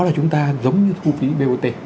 đó là chúng ta giống như thu phí bot